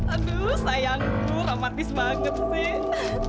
aduh sayangku romantis banget sih